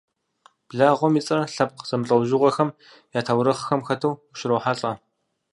Благъуэм и цӏэр лъэпкъ зэмылӏэужьыгъуэхэм я таурыхъхэм хэту ущырохьэлӏэ.